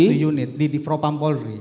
satu unit di pro pampolri